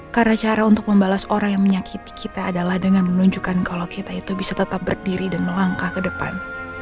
karena cara untuk membalas orang yang menyakiti kita adalah dengan menunjukkan kalau kita itu bisa tetap berdiri dan melangkah ke depan